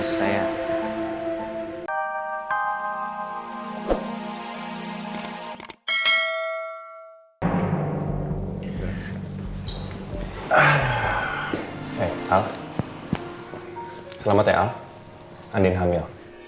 selamat ya andien hamil